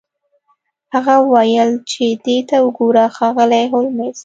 هغه وویل چې دې ته وګوره ښاغلی هولمز